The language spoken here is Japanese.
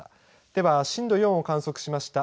では震度４を観測しました